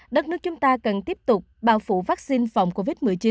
đất nước chúng ta cần tiếp tục bảo phụ vaccine phòng covid một mươi chín